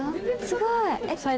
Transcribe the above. すごい！